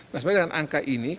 nah sebenarnya dengan angka ini